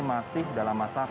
masih dalam masalah